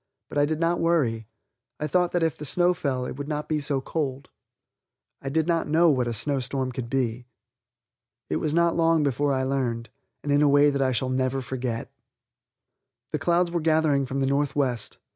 But I did not worry; I thought that if the snow fell it would not be so cold. I did not know what a snow storm could be. It was not long before I learned, and in a way that I shall never forget. The clouds were gathering from the northwest.